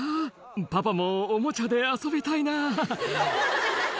パパもおもちゃで遊びたいな。